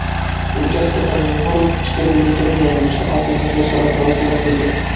Участка табибы булып эшләгәндә, төрлө яҙмышлы ҡатын-ҡыҙҙы осратырға тура килде.